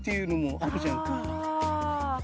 あ。